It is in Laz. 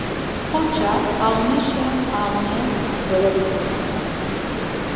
Porça ağanişe ağani dolovikunam.